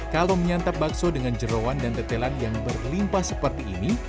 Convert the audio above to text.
kalau menyantap bakso dengan jerawan dan tetelan yang berlimpah seperti ini